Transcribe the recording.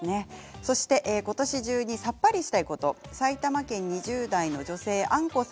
そしてことし中にさっぱりしたいこと埼玉県２０代の女性です。